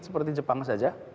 seperti jepang saja